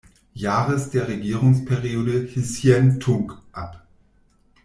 Jahres der Regierungsperiode Hsien-t`ung“" ab.